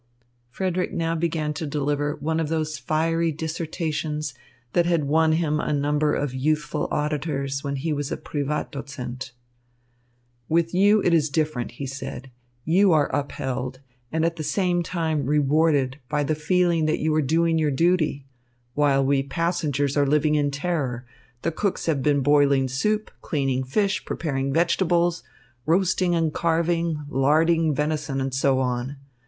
Frederick now began to deliver one of those fiery dissertations that had won him a number of youthful auditors when he was a Privatdozent. "With you it is different," he said. "You are upheld, and at the same time rewarded, by the feeling that you are doing your duty. While we passengers are living in terror, the cooks have been boiling soup, cleaning fish, preparing vegetables, roasting and carving, larding venison and so on."